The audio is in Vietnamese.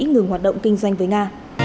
ngừng hoạt động kinh doanh với nga